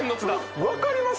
分かります？